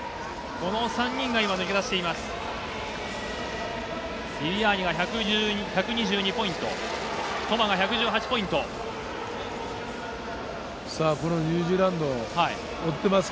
この３人が今抜け出しています。